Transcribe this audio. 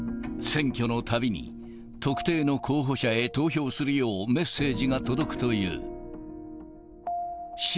選挙のたびに、特定の候補者へ投票するようメッセージが届くという。